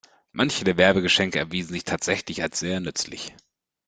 Manche der Werbegeschenke erwiesen sich tatsächlich als sehr nützlich.